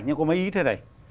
nhưng có mấy ý thế này